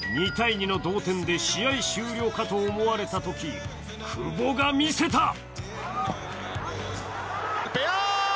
２−２の同点で試合終了かと思われたとき、久保が見せた！